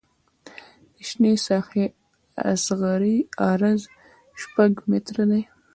د شنې ساحې اصغري عرض شپږ متره دی